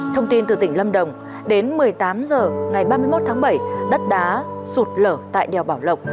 thông tin từ tỉnh lâm đồng đến một mươi tám h ngày ba mươi một tháng bảy đất đá sụt lở tại đèo bảo lộc